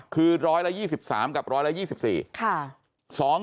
คือ๑๒๓ล้านกับ๑๒๔ล้าน